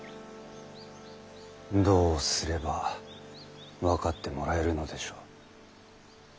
どうすれば分かってもらえるのでしょう。